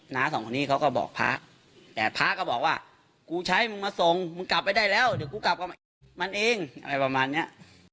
น้าสองคนนี้เขาก็บอกพระแต่พระก็บอกว่ากูใช้มึงมาส่งมึงกลับไปได้แล้วเดี๋ยวกูกลับมาเองมันเองอะไรประมาณเนี้ย